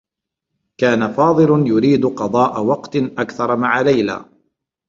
كان فاضل يريد قضاء وقت أكثر مع ليلى.